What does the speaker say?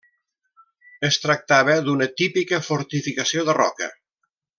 Es tractava d'una típica fortificació de roca.